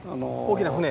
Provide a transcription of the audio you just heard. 大きな船？